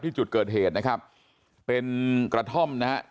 จุดเกิดเหตุนะครับเป็นกระท่อมนะฮะ